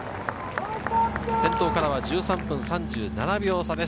先頭からは１３分３７秒差です。